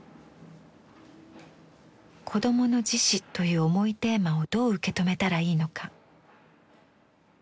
「子供の自死」という重いテーマをどう受け止めたらいいのか。